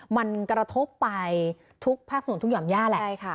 มันกระทบไปทุกภาคส่วนทุกหย่อมย่าแหละ